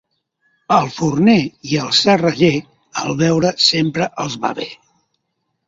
Al forner i al serraller el beure sempre els va bé.